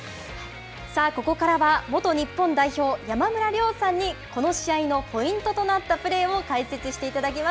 ここからは元日本代表、山村亮さんにこの試合のポイントとなったプレーを解説していただきます。